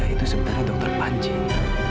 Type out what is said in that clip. itu masih seorang trades casting